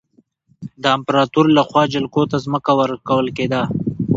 د امپراتور له خوا خلکو ته ځمکه ورکول کېده.